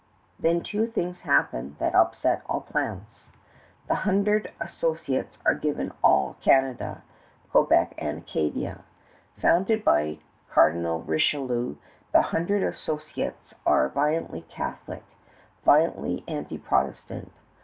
Then two things happened that upset all plans. The Hundred Associates are given all Canada Quebec and Acadia. Founded by Cardinal Richelieu, the Hundred Associates are violently Catholic, violently anti Protestant.